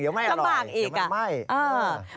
เดี๋ยวไม่อร่อยเดี๋ยวมันไหม้อ๋อคำบากอีก